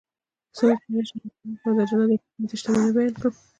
څنګه کولی شم د ماشومانو لپاره د جنت د تل پاتې شتمنۍ بیان کړم